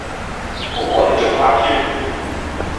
好過你中孖 Q